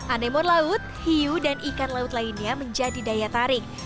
anemon laut hiu dan ikan laut lainnya menjadi daya tarik